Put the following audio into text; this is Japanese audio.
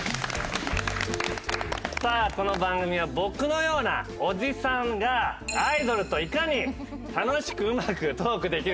さあこの番組は僕のようなおじさんがアイドルといかに楽しくうまくトークできるかという。